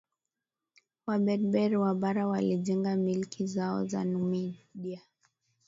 Waberber wa bara walijenga milki zao za Numidia